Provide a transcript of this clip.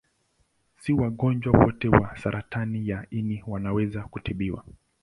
Si wagonjwa wote wa saratani ya ini wanaweza kutibiwa.